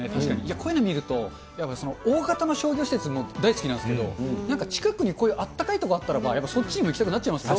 こういうの見ると、大型の商業施設も大好きなんですけど、なんか近くにこういうあったかい所があったら、やっぱそっちにも行きたくなっちゃいますよね。